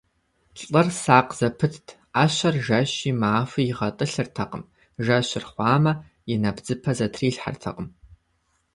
Лӏыр сакъ зэпытт: ӏэщэр жэщи махуи игъэтӏылъыртэкъым, жэщыр хъуамэ, и нэбдзыпэ зэтрилъхьэртэкъым.